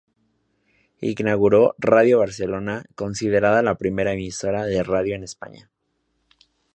Inauguró Radio Barcelona, considerada la primera emisora de radio en España.